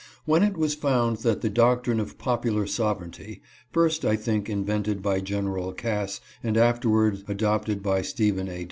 When it was found that the doctrine of popular sovereignty (first, I think, invent ed by General Cass and afterward adopted by Stephen A.